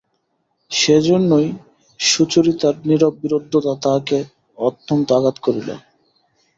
সেইজন্যই সুচরিতার নীরব বিরুদ্ধতা তাঁহাকে অত্যন্ত আঘাত করিল।